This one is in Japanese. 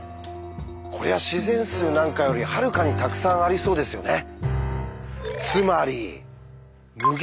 こりゃ自然数なんかよりはるかにたくさんありそうですよね。